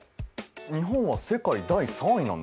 日本は世界第３位なんだ。